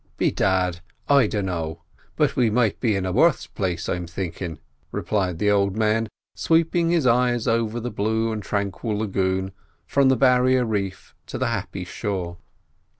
"Bedad, I dunno; but we might be in a worse place, I'm thinkin'," replied the old man, sweeping his eyes over the blue and tranquil lagoon, from the barrier reef to the happy shore.